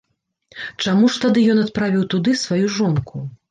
Чаму ж тады ён адправіў туды сваю жонку?